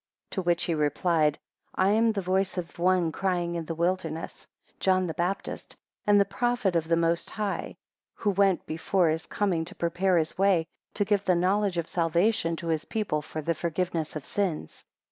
11 To which he replied, I am the voice of one crying in the wilderness, John the Baptist, and the prophet of the Most High, who went before his coming to prepare his way, to give the knowledge of salvation to his people for the forgiveness of sins.